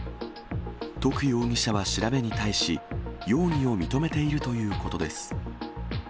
徳容疑者は調べに対し、容疑を認めているということです。